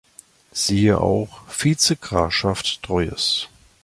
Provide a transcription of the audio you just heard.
Siehe auch: Vizegrafschaft Troyes